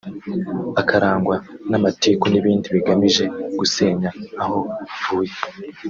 akarangwa n’amatiku n’ibindi bigamije gusenya aho avuye